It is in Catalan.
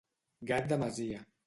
Gat de masia.